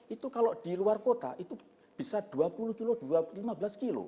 itu kalau di luar kota itu bisa dua puluh kilo lima belas kilo